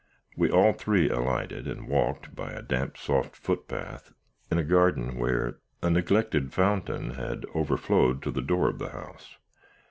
We all three alighted, and walked, by a damp soft footpath, in a garden where a neglected fountain had overflowed to the door of the house.